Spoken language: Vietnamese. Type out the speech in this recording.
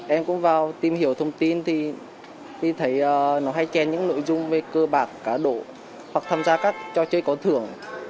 em cũng vào tìm hiểu thông tin thì mình thấy nó hay chèn những nội dung về cơ bạc cá độ hoặc tham gia các trò chơi có thưởng